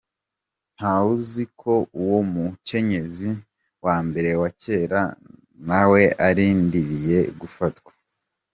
Ntawuzi ko uwo mukenyezi wa mbere wa kera nawe arindiriye gufatwa.